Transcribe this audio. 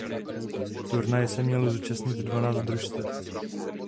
Turnaje se mělo zúčastnit dvanáct družstev.